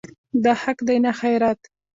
دا حق دی نه خیرات.